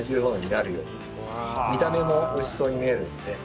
見た目も美味しそうに見えるので。